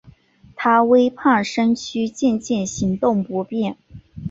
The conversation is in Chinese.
她微胖身躯渐渐行动不便